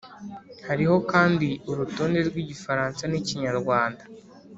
Harimo kandi urutonde rw’igifaransa n’ikinyarwanda